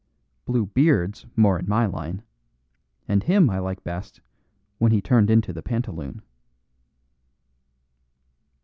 Blue Beard's more in my line, and him I like best when he turned into the pantaloon."